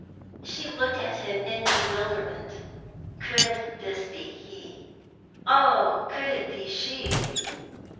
She looked at him in bewilderment. Could this be he? Oh, could it be she?